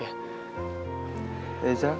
reza tolong kadangan darnya